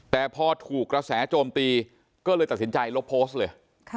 แต่พอถูกกระแสโจมตีก็เลยตัดสินใจลบโพสต์เลย